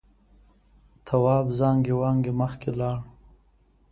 تواب زانگې وانگې مخکې لاړ.